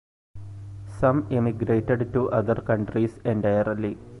Some emigrated to other countries entirely.